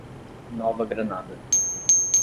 Nova Granada